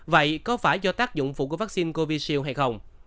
vậy có phải do tác dụng phụ của vaccine covid hay không